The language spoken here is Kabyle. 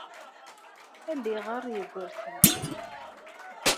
Ad d-iɣer Yugurten.